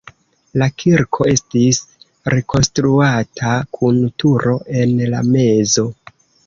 La kirko estis rekonstruata kun turo en la mezo.